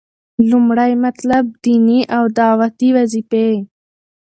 لومړی مطلب - ديني او دعوتي وظيفي: